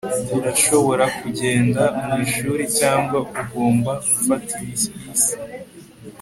Urashobora kugenda mwishuri cyangwa ugomba gufata bisi